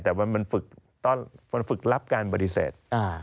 แต่ว่ามันฝึกรับการบริเศษ